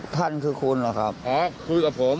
ท่านคือคุณหรอครับ